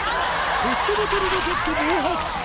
ペットボトルロケット暴発